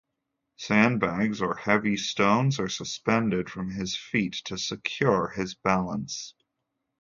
Sandbags or heavy stones are suspended from his feet to secure his balance.